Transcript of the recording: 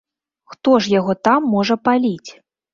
Хто ж яго там можа паліць?